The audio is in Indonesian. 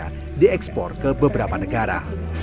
dan di ekspor ke beberapa negara